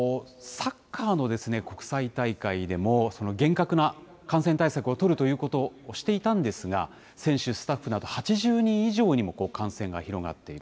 サッカーの国際大会でも、厳格な感染対策を取るということをしていたんですが、選手、スタッフなど８０人以上にも感染が広がっている。